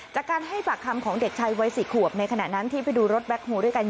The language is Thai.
จากการให้ปากคำของเด็กชายวัย๔ขวบในขณะนั้นที่ไปดูรถแบ็คโฮลด้วยกัน